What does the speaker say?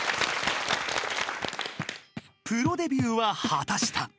［プロデビューは果たした］